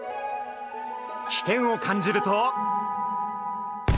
危険を感じると。